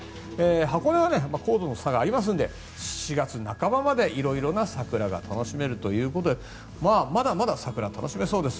箱根は高度の差がありますので４月半ばまで色々な桜が楽しめるということでまだまだ桜、楽しめそうです。